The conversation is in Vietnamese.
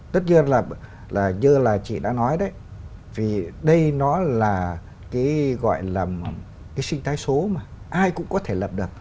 tất nhiên là như là chị đã nói đấy vì đây nó là cái gọi là cái sinh thái số mà ai cũng có thể lập được